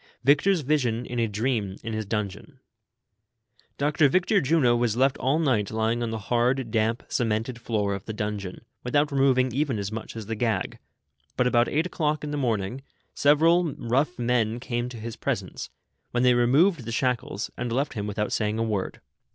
VICTOR'S VISION, IN A DREAM, IN HIS DUNGEON, jjOCTOE VICTOPt JUNO was left all night lying on the hard, damp, cemented floor of the dun geon, without removing even as much as the ^gag ; but, about eight o'clock in tlie morning, several rough men came to his presence, when they re moved the shackles, and left him without saying a word.